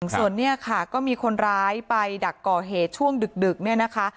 ส่วนเนี่ยค่ะก็มีคนร้ายไปดักก่อเหตุช่วงดึกเนี่ยนะคะ